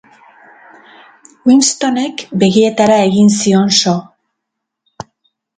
Winstonek begietara egin zion so.